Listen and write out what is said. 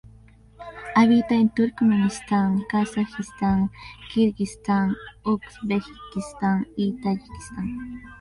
Habita en Turkmenistán, Kazajistán, Kirguistán, Uzbekistán y Tayikistán.